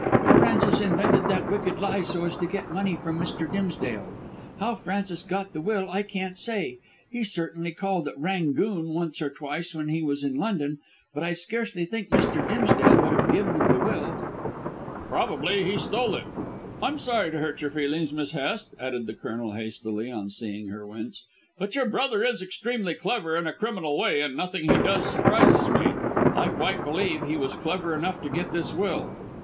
But Francis invented that wicked lie so as to get money from Mr. Dimsdale. How Francis got the will I can't say. He certainly called at 'Rangoon' once or twice when he was in London, but I scarcely think Mr. Dimsdale would have given him the will." "Probably he stole it. I am sorry to hurt your feelings, Miss Hest," added the Colonel hastily on seeing her wince. "But your brother is extremely clever in a criminal way, and nothing he does surprises me. I quite believe he was clever enough to get this will.